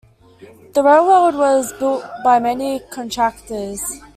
The railroad was built by many contractors.